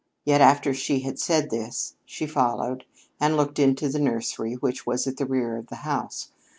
Yet after she had said this, she followed, and looked into the nursery, which was at the rear of the house.